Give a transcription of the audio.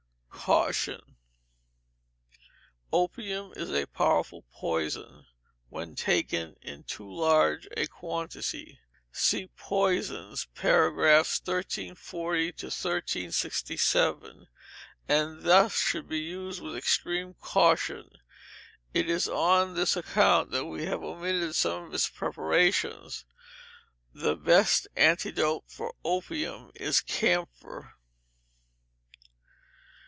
Caution. Opium is a powerful poison when taken in too large a quantity (See POISONS, pars. 1340 1367), and thus should be used with extreme caution. It is on this account that we have omitted some of its preparations. The best antidote for opium is camphor.